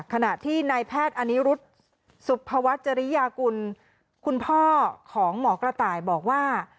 ขณะที่นายแพทย์อนิรุธสุภวัชริยากุลคุณพ่อของหมอกระต่ายบอกว่า